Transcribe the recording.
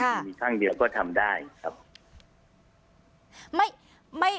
จะมีข้างเดียวก็ทำได้ครับ